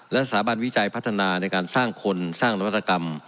และสถาบันวิจัยพัฒนาในการสร้างคนสร้างนวัตกรรม